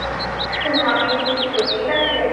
শুন, আমি দুঃখিত, ঠিক আছে।